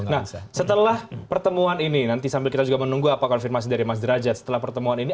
nah setelah pertemuan ini nanti sambil kita juga menunggu apa konfirmasi dari mas derajat setelah pertemuan ini